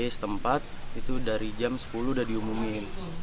setempat itu dari jam sepuluh udah diumumin